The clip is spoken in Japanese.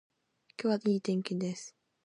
今日は良い天気です